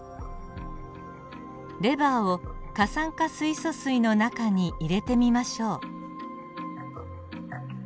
レバーを過酸化水素水の中に入れてみましょう。